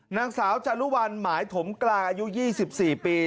นางสาวจารุวัลหมายถมกลางอายุ๒๔ปี